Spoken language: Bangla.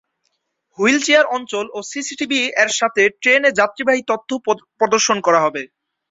হুইলচেয়ার অঞ্চল ও সিসিটিভি এর সাথে ট্রেনে যাত্রীবাহী তথ্য প্রদর্শন করা হবে।